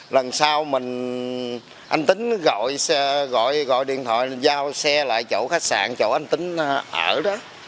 lần sau mình anh tính gọi gọi điện thoại giao xe lại chỗ khách sạn chỗ anh tính ở đó